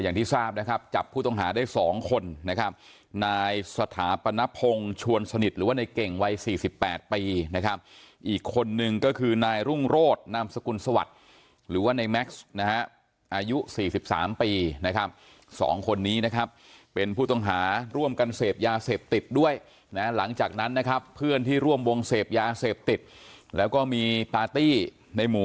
อย่างที่ทราบนะครับจับผู้ต้องหาได้๒คนนะครับนายสถาปนพงศ์ชวนสนิทหรือว่าในเก่งวัย๔๘ปีนะครับอีกคนนึงก็คือนายรุ่งโรธนามสกุลสวัสดิ์หรือว่าในแม็กซ์นะฮะอายุ๔๓ปีนะครับสองคนนี้นะครับเป็นผู้ต้องหาร่วมกันเสพยาเสพติดด้วยนะหลังจากนั้นนะครับเพื่อนที่ร่วมวงเสพยาเสพติดแล้วก็มีปาร์ตี้ในหมู่